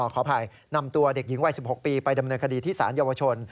ขออภัยนำตัวเด็กหญิงวัย๑๖ปีไปดำเนินคดีที่สารเยาวชน